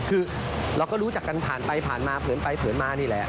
คือเราก็รู้จักกันผ่านไปผ่านมาเผินไปเผินมานี่แหละ